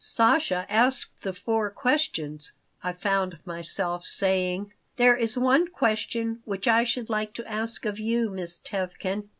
"Sasha asked the Four Questions," I found myself saying. "There is one question which I should like to ask of you, Miss Tevkin."